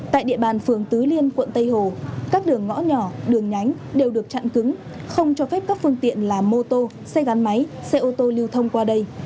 tại địa bàn phường tứ liên quận tây hồ các đường ngõ nhỏ đường nhánh đều được chặn cứng không cho phép các phương tiện là mô tô xe gắn máy xe ô tô lưu thông qua đây